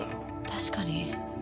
確かに。